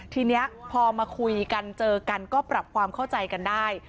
ทีนี้พอมาคุยกันเจอกันก็ปรับความเข้าใจกันได้